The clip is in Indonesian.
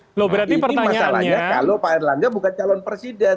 ini masalahnya kalau pak erlangga bukan calon presiden